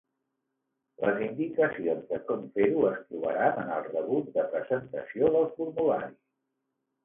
Les indicacions de com fer-ho es trobaran en el rebut de presentació del formulari.